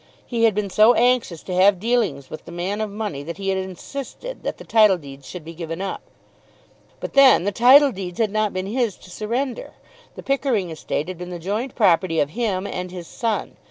He had been so anxious to have dealings with the man of money that he had insisted that the title deeds should be given up. But then the title deeds had not been his to surrender. The Pickering estate had been the joint property of him and his son.